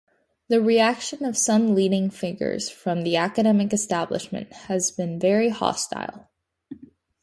The reaction of some leading figures from the academic establishment has been very hostile.